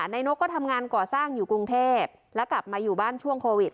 นายนกก็ทำงานก่อสร้างอยู่กรุงเทพแล้วกลับมาอยู่บ้านช่วงโควิด